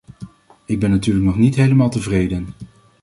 Ik ben natuurlijk nog niet helemaal tevreden.